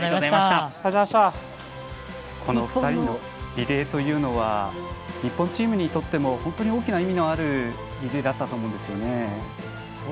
２人のリレーは日本チームにとっても本当に大きな意味のあるリレーだったと思うんですよね。